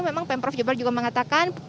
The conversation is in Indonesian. memang pemprov jawa barat juga mengatakan